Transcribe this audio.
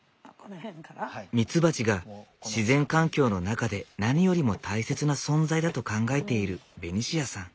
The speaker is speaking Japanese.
ミツバチが自然環境の中で何よりも大切な存在だと考えているベニシアさん。